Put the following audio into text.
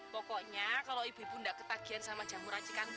pokoknya kalau ibu ibu gak ketagihan sama jamu racikanku